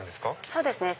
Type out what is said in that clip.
そうですね。